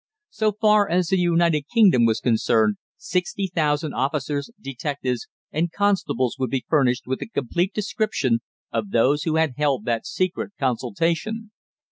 So far as the United Kingdom was concerned sixty thousand officers, detectives and constables would be furnished with a complete description of those who had held that secret consultation.